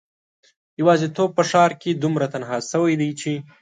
یوازیتوب په ښار کې دومره تنها شوی دی چې